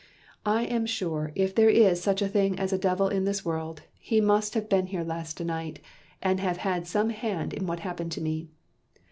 "I am sure if there is such a thing as a Devil in this world, he must have been here last night, and have had some hand in what happened to me.